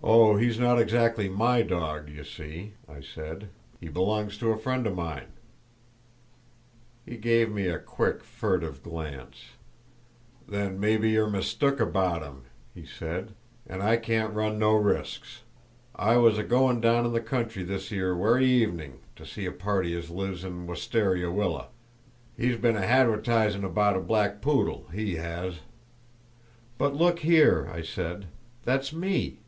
"Oh, he's not exactly my dog, you see," I said; "he belongs to a friend of mine!" He gave me a quick, furtive glance. "Then maybe you're mistook about him," he said, "and I can't run no risks. I was a goin' down in the country this 'ere werry evenin' to see a party as lives at Wistaria Willa; he's been a hadwertisin' about a black poodle, he has!" "But look here," I said; "that's me."